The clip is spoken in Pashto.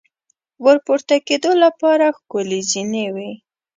ور پورته کېدو لپاره ښکلې زینې وې.